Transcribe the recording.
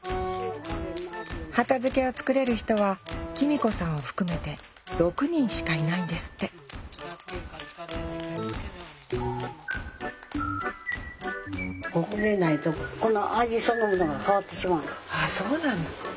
畑漬をつくれる人はキミ子さんを含めて６人しかいないんですってあそうなんだ。